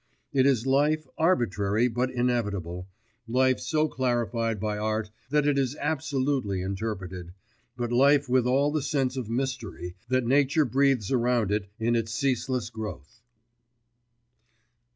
It is life arbitrary but inevitable, life so clarified by art that it is absolutely interpreted; but life with all the sense of mystery that nature breathes around it in its ceaseless growth.